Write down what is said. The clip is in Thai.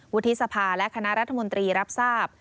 วุฒิสภาและคณะรัฐมนตรีรับทราบ